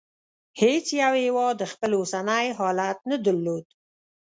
هېڅ یو هېواد خپل اوسنی حالت نه درلود.